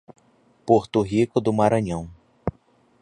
Porto Rico do Maranhão